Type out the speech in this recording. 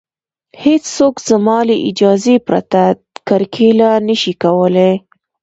هېڅوک زما له اجازې پرته کرکیله نشي کولی